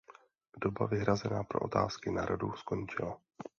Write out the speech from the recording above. Doba vyhrazená pro otázky na Radu skončila.